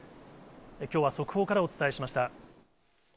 きょうは速報からお伝えしました。